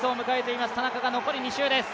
田中が残り２周です。